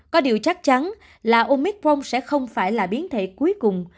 có điều chắc chắn là omicron sẽ không phải là biến thể cuối cùng